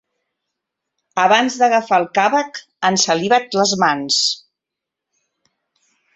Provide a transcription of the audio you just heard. Abans d'agafar el càvec ensaliva't les mans.